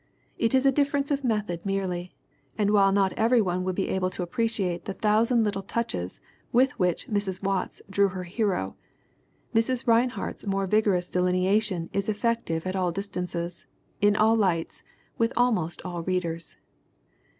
It is a difference of method merely and while not every one would be able to appreciate the thousand little touches with which Mrs. Watts drew her hero, Mrs. Rinehart's more vigorous delineation is effective at all distances, in all lights, with almost all readers.